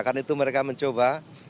karena itu mereka mencoba